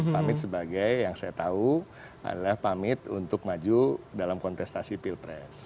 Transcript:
pamit sebagai yang saya tahu adalah pamit untuk maju dalam kontestasi pilpres